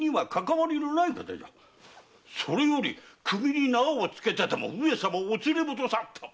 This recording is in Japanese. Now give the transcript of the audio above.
それより首に縄をつけてでも上様をお連れ戻さんと！